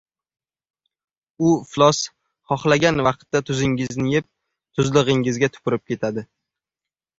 — U iflos xohlagan vaqtda tuzingizni yeb, tuzlig‘ingizga tupurib ketadi.